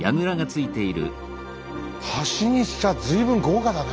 橋にしちゃ随分豪華だね。